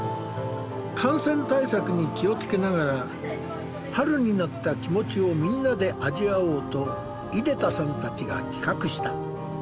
感染対策に気をつけながら春になった気持ちをみんなで味わおうと出田さんたちが企画した。